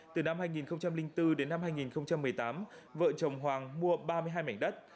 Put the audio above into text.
từ năm hai nghìn bốn đến năm hai nghìn một mươi tám vợ chồng hoàng mua ba mươi hai mảnh đất